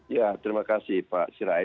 ya terima kasih pak sirai